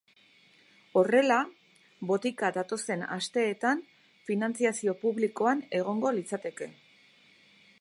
Horrela, botika datozen asteetan finantziazio publikoan egongo litzateke.